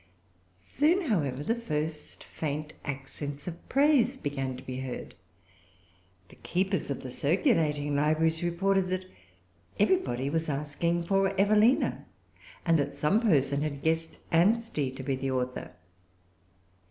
Soon, however, the first faint accents of praise began to be heard. The keepers of the circulating libraries reported that everybody was asking for Evelina, and that some person had guessed Anstey to be the author.